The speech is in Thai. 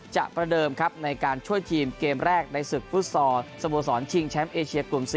ประเดิมครับในการช่วยทีมเกมแรกในศึกฟุตซอลสโมสรชิงแชมป์เอเชียกลุ่ม๔